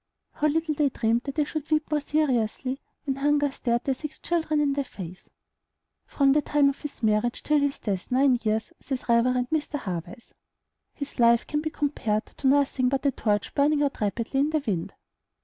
How little they dreamed that they should weep more seriously when hunger stared their six children in the face! From the time of his marriage till his death, nine years, says Rev. Mr. Haweis, "his life can be compared to nothing but a torch burning out rapidly in the wind."